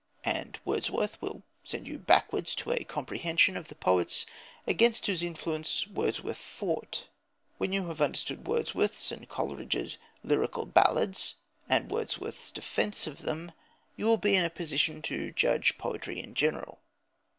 And Wordsworth will send you backwards to a comprehension of the poets against whose influence Wordsworth fought. When you have understood Wordsworth's and Coleridge's Lyrical Ballads, and Wordsworth's defence of them, you will be in a position to judge poetry in general.